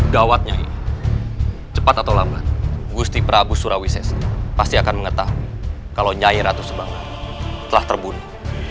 dawatnya ini cepat atau lambat gusti prabu surawisesa pasti akan mengetahui kalau nyai ratu sebanglar telah terbunuh